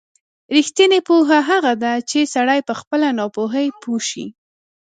رښتینې پوهه هغه ده چې سړی په خپله ناپوهۍ پوه شي.